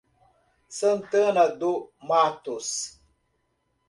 Santana do Matos